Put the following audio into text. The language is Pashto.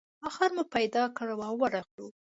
آخر مو پیدا کړ او ورغلو.